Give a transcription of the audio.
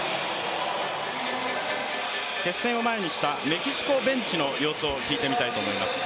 決戦を前にしたメキシコベンチの様子を聞いてみたいと思います。